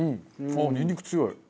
あっニンニク強い。